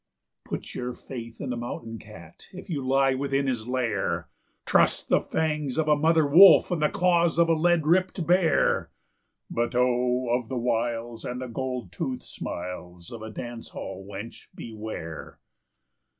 Put your faith in the mountain cat if you lie within his lair; Trust the fangs of the mother wolf, and the claws of the lead ripped bear; But oh, of the wiles and the gold tooth smiles of a dance hall wench beware!